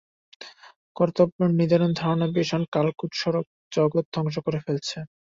কর্তব্যের নিদারুণ ধারণা ভীষণ কালকূট-স্বরূপ, জগৎ ধ্বংস করে ফেলছে।